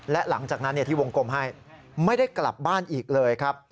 และหลังจากนั้นที่วงกลมให้ไม่ได้กลับบ้านอีกเลยครับ